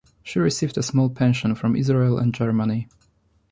She received a small pension from Israel and Germany.